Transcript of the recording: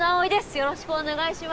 よろしくお願いします。